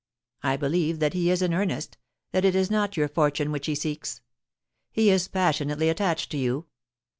I believe that he is in earnest, that it is not your fortune which he seeks. He is passionately attached to you.